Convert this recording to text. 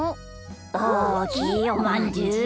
おおきいおまんじゅう。